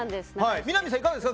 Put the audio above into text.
南さんはいかがですか。